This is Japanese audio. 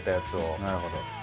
なるほど。